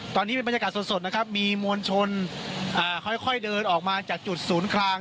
ตอนนี้เป็นบรรยากาศสดนะครับมีมวลชนค่อยเดินออกมาจากจุดศูนย์กลาง